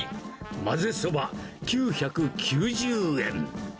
まぜそば９９０円。